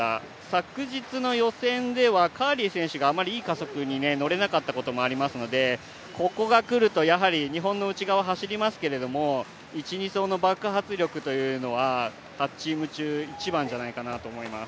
昨日の予選ではカーリー選手があまりいい加速に乗れなかったこともありますので、ここが来ると、日本の内側を走りますけれども、１・２走の爆発力というのは８チーム中一番じゃないかなと思います。